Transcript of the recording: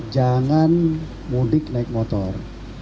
jangan mudik naik motor